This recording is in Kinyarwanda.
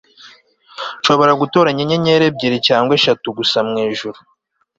nshobora gutoranya inyenyeri ebyiri cyangwa eshatu gusa mwijuru